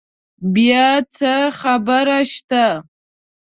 بیا څه خبره شته؟